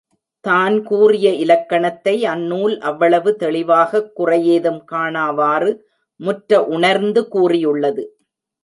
தான் கூறிய இலக்கணத்தை அந்நூல் அவ்வளவு தெளிவாகக் குறையேதும் காணாவாறு முற்ற உணர்ந்து கூறியுள்ளது.